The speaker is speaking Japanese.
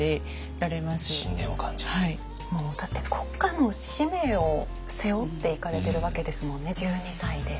もうだって国家の使命を背負って行かれてるわけですもんね１２歳で。